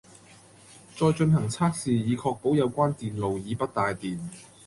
再進行測試以確保有關電路已不帶電